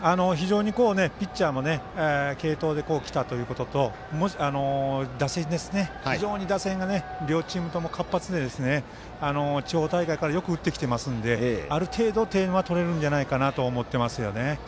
ピッチャーの継投できたということと非常に打線が両チームとも活発で地方大会からよく打ってきていますのである程度、点は取れるんじゃないかなと思いますね。